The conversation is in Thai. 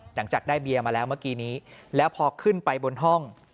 หลังจากได้เบียร์มาแล้วเมื่อกี้นี้แล้วพอขึ้นไปบนห้อง